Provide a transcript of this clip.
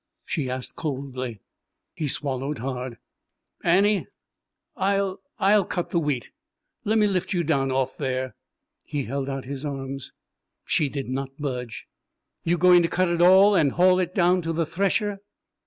she asked coldly. He swallowed hard. "Annie I'll I'll cut the wheat, le'me lift you down off there." He held out his arms. She did not budge. "You going to cut it all and haul it down to the thresher?"